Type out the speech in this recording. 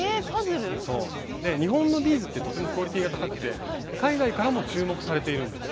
日本のビーズってとてもクオリティーが高くて海外からも注目されているんです。